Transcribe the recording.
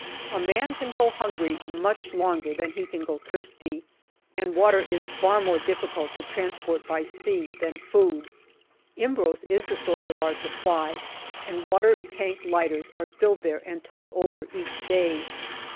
A man can go hungry much longer than he can go thirsty, and water is far more difficult to transport by sea than food. Imbros is the source of our supply, and water tank lighters are filled there and towed over each day.